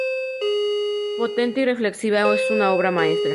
Potente y reflexiva, es una obra maestra".